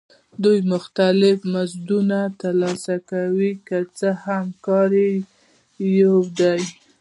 دوی مختلف مزدونه ترلاسه کوي که څه هم کار یې یو دی